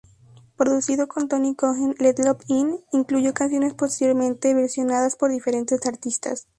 Producido por Tony Cohen, "Let Love In" incluyó canciones posteriormente versionadas por diferentes artistas.